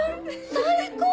最高！